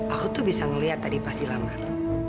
aku tuh bisa ngeliat tadi pas di lamar